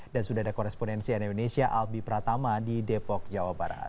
dan sudah ada koresponensi dari indonesia albi pratama di depok jawa barat